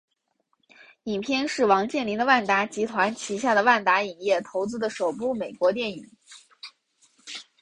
影片是王健林的万达集团旗下的万达影业投资的首部美国电影。